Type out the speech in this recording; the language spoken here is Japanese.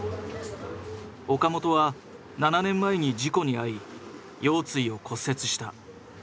岡本は７年前に事故に遭い腰椎を骨折した。